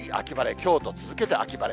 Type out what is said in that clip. きょうと続けて秋晴れ。